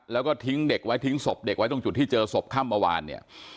แล้วก็ทิ้งเด็กไว้ทิ้งศพเด็กไว้ตรงจุดที่เจอศพค่ำเมื่อวานเนี่ย